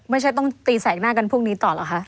ไม่ใช่ต้องตีแสกหน้ากันพรุ่งนี้ต่อหรอคะ